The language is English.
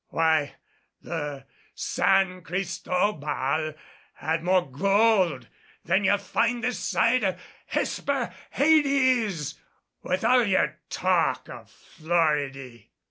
Why, the San Cristobal had more gold than ye'll find this side o' Hesper hades, with all ye'r talk o' Floridy.